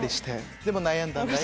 「でも悩んだんだよ」。